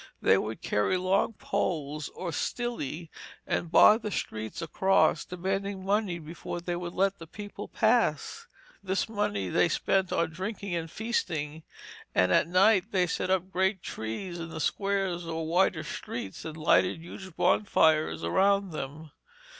They would carry long poles, or 'stili,' and bar the streets across, demanding money before they would let the people pass. This money they spent on drinking and feasting, and at night they set up great trees in the squares or wider streets and lighted huge bonfires around them.